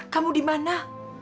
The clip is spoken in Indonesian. kamu di mana